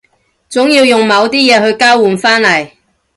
總要用某啲嘢去交換返嚟